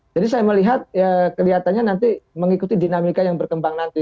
jadi saya melihat kelihatannya nanti mengikuti dinamika yang berkembang nanti